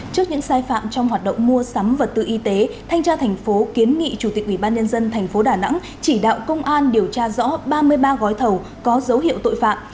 trước những sai phạm trong hoạt động mua sắm vật tư y tế thanh tra thành phố kiến nghị chủ tịch ủy ban nhân dân tp đà nẵng chỉ đạo công an điều tra rõ ba mươi ba gói thầu có dấu hiệu tội phạm